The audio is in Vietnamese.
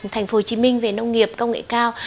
thành phố hồ chí minh về nông nghiệp công nghệ cao